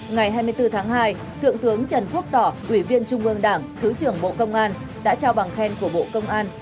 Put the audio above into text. ngày hai mươi bốn tháng hai thượng tướng trần quốc tỏ ủy viên trung ương đảng thứ trưởng bộ công an đã trao bằng khen của bộ công an